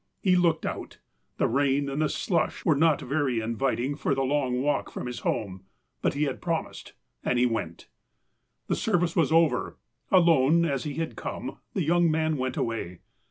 He looked out. The rain and the slush were not very inviting for the long walk from his home. But he had promised — and he went. The service was over. Alone, as he had come, the young man went away.